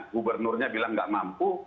gubernurnya bilang tidak mampu